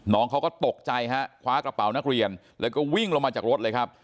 น้องเขาก็ตกใจฮะคว้ากระเป๋านักเรียนแล้วก็วิ่งลงมาจากรถเลยครับ